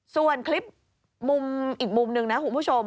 ส่วนคลิปอีกมุมหนึ่งนะคุณผู้ชม